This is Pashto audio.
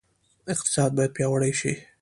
اقتصاد باید پیاوړی شي